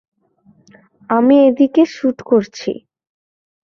আমি এদিকে শুট করছি।